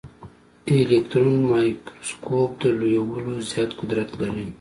الکټرون مایکروسکوپ د لویولو زیات قدرت لري.